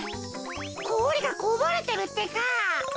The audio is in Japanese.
こおりがこぼれてるってか。